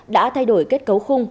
đã thay đổi kết cấu khung